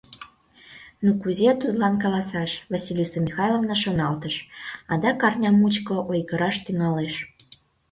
«Ну кузе тудлан каласаш, — Василиса Михайловна шоналтыш, — адак арня мучко ойгыраш тӱҥалеш».